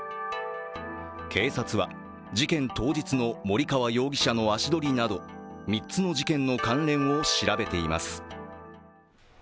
警察は、事件当日の森川容疑者の足取りなど３つの事件の関連を調べています。